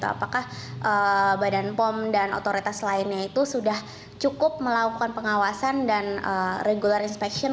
apakah badan pom dan otoritas lainnya itu sudah cukup melakukan pengawasan dan regular inspection